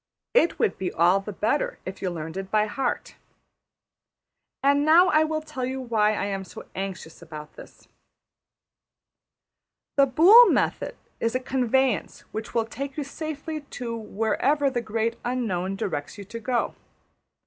It would be all the better if you learned it by heart. And now I will tell you why I am so anxious about this. The Boole method is a conveyance which will take you safely to wherever the Great Unknown directs you to go.